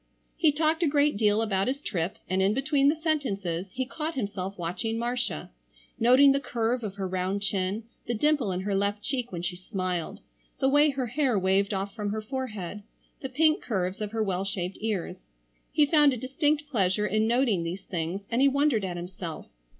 He talked a great deal about his trip, and in between the sentences, he caught himself watching Marcia, noting the curve of her round chin, the dimple in her left cheek when she smiled, the way her hair waved off from her forehead, the pink curves of her well shaped ears. He found a distinct pleasure in noting these things and he wondered at himself.